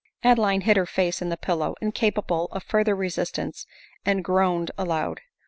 Adeline hid her face in the pillow, incapable of further resistance, and groaned aloud.